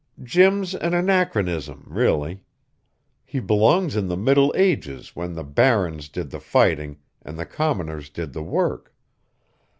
Jim's an anachronism, really. He belongs in the Middle Ages when the barons did the fighting and the commoners did the work.